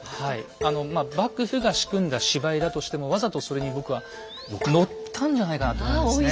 幕府が仕組んだ芝居だとしてもわざとそれに僕は乗ったんじゃないかなと思いますね。